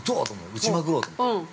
打ちまくろうと思って。